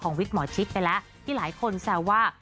วิทย์หมอชิดไปแล้วที่หลายคนแซวว่า